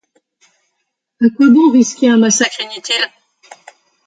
A quoi bon risquer un massacre inutile?